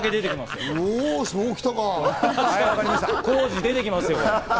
浩次、出てきますよ。